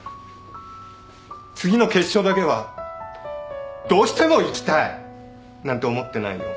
次の決勝だけはどうしても行きたい！なんて思ってないよ。